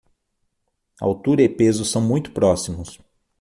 Altura e peso são muito próximos